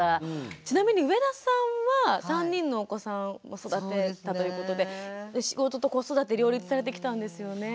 ちなみに上田さんは３人のお子さんを育てたということで仕事と子育て両立されてきたんですよね。